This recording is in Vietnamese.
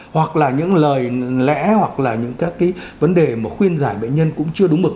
hoặc là những lời lẽ hoặc là những các cái vấn đề mà khuyên giải bệnh nhân cũng chưa đúng mực